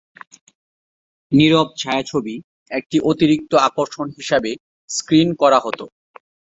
নীরব ছায়াছবি একটি অতিরিক্ত আকর্ষণ হিসাবে স্ক্রিন করা হত।